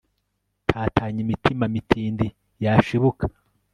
tatanya imitima mitindi yashibuka